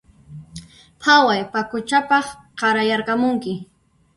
Phaway paquchapaq qarayarqamunki